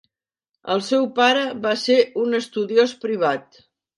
El seu pare va ser un estudiós privat.